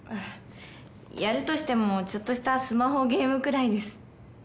やるとしてもちょっとしたスマホゲームくらいです。